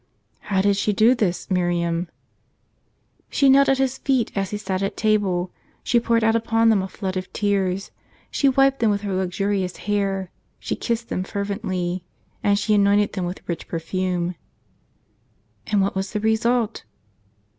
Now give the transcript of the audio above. " How did she do this, Miriam ?"" She knelt at His feet as He sat at table ; she poured out upon them a flood of tears ; she wiped them with her luxuri ous hair, she kissed them fervently, and she anointed them with rich perfume." " And what was the result?"